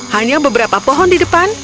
hanya beberapa pohon di depan